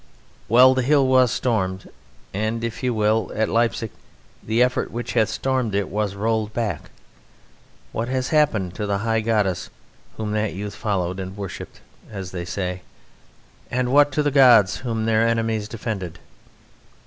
Well, the hill was stormed, and (if you will) at Leipsic the effort which had stormed it was rolled back. What has happened to the High Goddess whom that youth followed, and worshipped as they say, and what to the Gods whom their enemies defended?